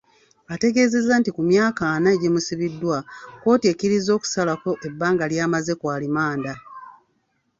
Ategeeza nti ku myaka ana egimusibiddwa, kkooti ekkiriza okusalako ebbanga ly'amaze ku alimanda.